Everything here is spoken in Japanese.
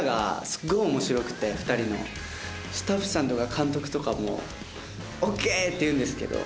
スタッフさんとか監督とかも「ＯＫ！」って言うんですけど